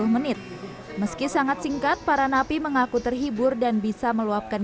menit meski sangat singkat para napi mengaku terhibur dan bisa meluapkan